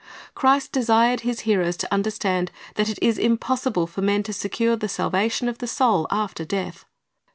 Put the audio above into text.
Christ desired His hearers to understand that it is impos sible for men to secure the salvation of the soul after death.